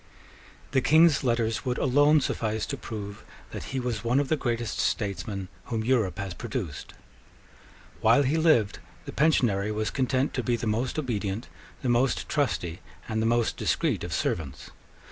The King's letters would alone suffice to prove that he was one of the greatest statesmen whom Europe has produced. While he lived, the Pensionary was content to be the most obedient, the most trusty, and the most discreet of servants.